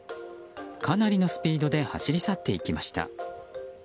かなりのスピードで走り去っていきました。